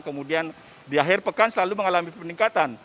kemudian di akhir pekan selalu mengalami peningkatan